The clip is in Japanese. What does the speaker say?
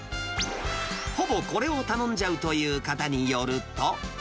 ほぼこれを頼んじゃうという方によると。